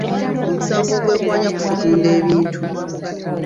Omusango ogwekwanya ku kutunda ebintu.